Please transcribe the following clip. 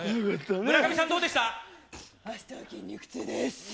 村上さんどうですか？